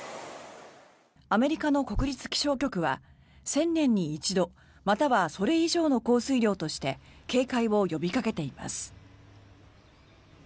アメリカの国立気象局は１０００年に一度またはそれ以上の降水量として警戒を呼びかけています。